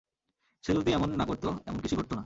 সে যদি এমন না করত এমন কিছুই ঘটত না।